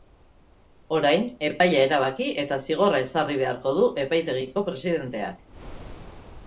Orain, epaia erabaki eta zigorra ezarri beharko du epaitegiko presidenteak.